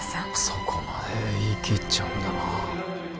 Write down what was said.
そこまで言い切っちゃうんだな